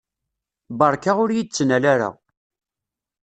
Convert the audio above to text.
Beṛka ur yi-d-ttnal ara.